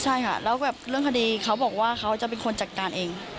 ใช่ค่ะแล้วแบบเรื่องคดีเขาบอกว่าเขาจะเป็นคนจัดการเอง